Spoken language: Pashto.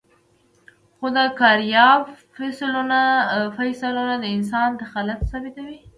خو د کارایب فسیلونه د انسان دخالت ثابتوي.